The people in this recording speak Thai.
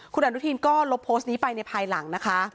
คุณอนุทินก็ลบโพสต์นี้ไปในภายหลังนะคะ